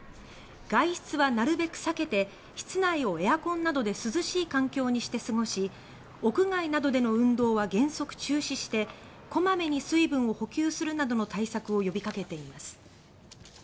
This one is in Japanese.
外出はなるべく避けて室内をエアコンなどで涼しい環境にして過ごし屋外などでの運動は原則中止して小まめに水分を補給するなどの対策を呼びかけています。